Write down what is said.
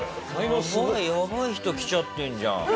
やばい人来ちゃってんじゃん。